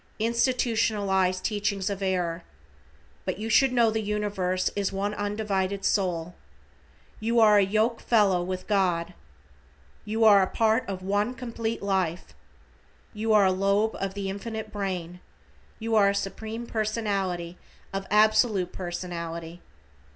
Institutionalized teachings of error. But you should know the universe is one undivided Soul. You are a yoke fellow with God. You are a part of One Complete Life. You are a lobe of the Infinite Brain. You are a Supreme Personality of Absolute Personality.